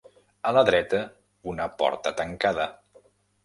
A la dreta una porta tancada.